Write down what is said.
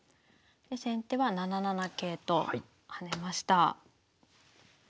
で先手は７七桂と跳ねました。